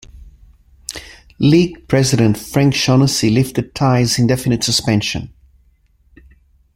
League president Frank Shaughnessy lifted Tighe's indefinite suspension.